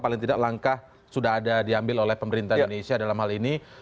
paling tidak langkah sudah ada diambil oleh pemerintah indonesia dalam hal ini